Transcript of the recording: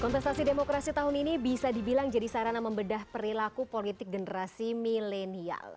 kontestasi demokrasi tahun ini bisa dibilang jadi sarana membedah perilaku politik generasi milenial